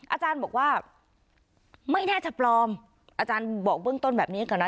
อาจารย์บอกว่าไม่น่าจะปลอมอาจารย์บอกเบื้องต้นแบบนี้ก่อนนะ